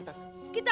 oh ini dia